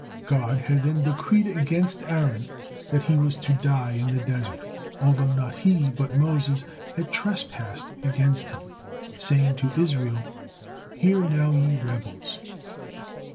God had then decreed against Aaron that he was to die in the desert, although not he, but Moses had trespassed against Him, saying to Israel, "Hear now, ye rebels."